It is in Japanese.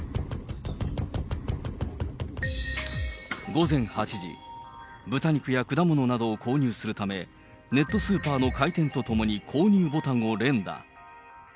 午前８時、豚肉や果物などを購入するため、ネットスーパーの開店とともに購入ボタンを連打。